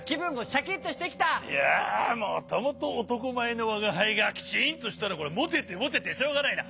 いやもともとおとこまえのわがはいがきちんとしたらこりゃモテてモテてしょうがないな。